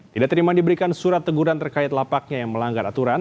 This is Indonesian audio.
tidak terima diberikan surat teguran terkait lapaknya yang melanggar aturan